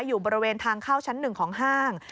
อยู่บริเวณทางเข้าชั้น๑ของห้าง